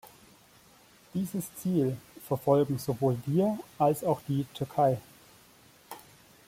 Dieses Ziel verfolgen sowohl wir als auch die Türkei.